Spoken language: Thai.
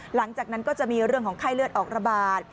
หลังจากนั้นก็จะมีเรื่องของไข้เลือดออกระบาด